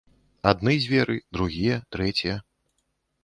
Адны дзверы, другія, трэція.